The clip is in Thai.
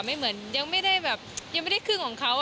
ไม่เหมือนยังไม่ได้แบบยังไม่ได้ครึ่งของเขา